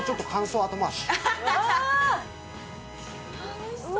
おいしそう。